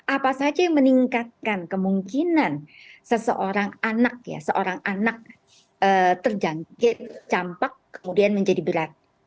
apa saja yang meningkatkan kemungkinan seseorang anak ya seorang anak terjangkit campak kemudian menjadi berat